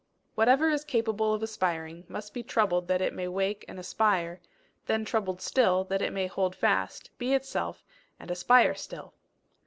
Whatever is capable of aspiring, must be troubled that it may wake and aspire then troubled still, that it may hold fast, be itself, and aspire still.